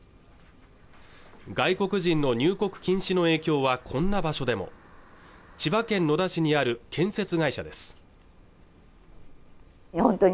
外国人の入国禁止の影響はこんな場所でも千葉県野田市にある建設会社です